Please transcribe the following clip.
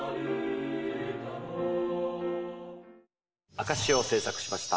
「証」を制作しました。